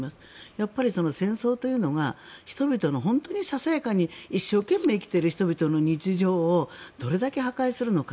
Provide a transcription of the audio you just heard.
やっぱり、戦争というのが人々の、本当にささやかに一生懸命生きている人々の日常をどれだけ破壊するのか。